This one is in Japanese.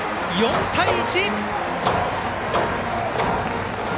４対１！